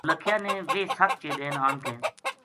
نولکھیا نے ویہ ست چیدین آن کے